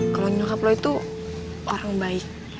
kalau nyokap lo itu orang baik